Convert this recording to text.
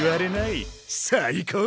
最高だ！